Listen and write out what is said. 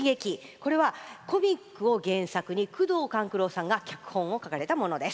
これはコミックを原作に宮藤官九郎さんが脚本を書かれたものです。